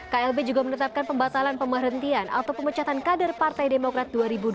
klb juga menetapkan pembatalan pemerhentian atau pemecatan kader partai demokrat dua ribu dua puluh dua ribu dua puluh satu